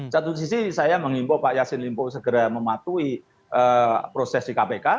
satu sisi saya mengimbau pak yassin limpo segera mematuhi proses di kpk